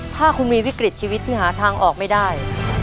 ถ้าคุณมีวิกฤตชีวิตที่หาทางออกไม่ได้